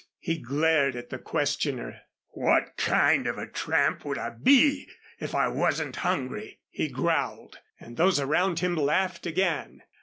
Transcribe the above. He glared at the questioner. "What kind of a tramp would I be if I wasn't hungry?" he growled, and those around him laughed again.